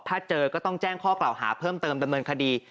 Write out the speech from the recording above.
ถ้าเจอก็ต้องแจ้งข้อกล่าวหาเพิ่มเติมดำเนินคดี